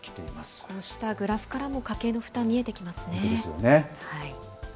こうしたグラフからも家計への負担見えてきますよね。